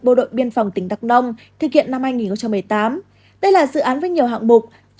bộ đội biên phòng tỉnh đắk nông thực hiện năm hai nghìn một mươi tám đây là dự án với nhiều hạng mục